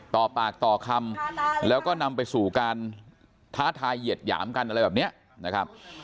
ต่อปากต่อคำแล้วก็นำไปสู่การท้าทายเหยียดหยามกันอะไรแบบนี้นะครับ